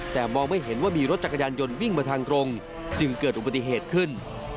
แต่มองไม่เห็นว่ามีรถจักรยานยนต์วิ่งมาทางตรงจึงเกิดอุบัติเหตุขึ้น